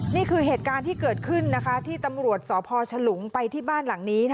นี่คือเหตุการณ์ที่เกิดขึ้นที่ตำรวจสพฉลุงไปที่บ้านหลังนี้